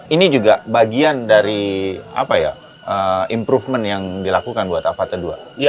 ini juga bagian dari improvement yang dilakukan buat alfata dua